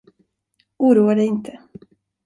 Oroa dig inte.